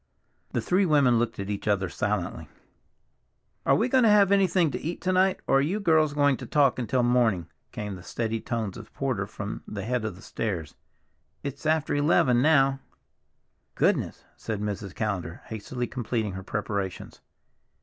The three women looked at each other silently. "Are we to have anything to eat to night, or are you girls going to talk until morning?" came the steady tones of Porter from the head of the stairs. "It's after eleven now." "Goodness!" said Mrs. Callender, hastily completing her preparations.